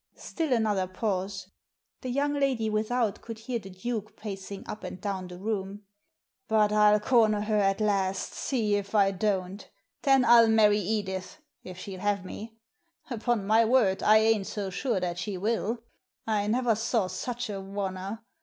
Still another pause. The young lady without could hear the Duke pacing up and down the room. "But I'll comer her at last ; see if I don't Then I'll marry Edith — if she'll have me. Upon my word, I ain't so sure that she will — I never saw such a oner.